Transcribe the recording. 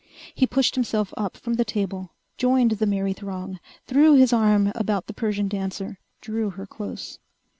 He pushed himself up from the table, joined the merry throng, threw his arm about the Persian dancer, drew her close.